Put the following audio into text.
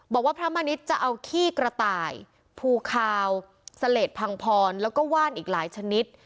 พระมณิษฐ์จะเอาขี้กระต่ายภูคาวเสลดพังพรแล้วก็ว่านอีกหลายชนิด